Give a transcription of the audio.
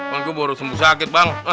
bang gue baru sembuh sakit bang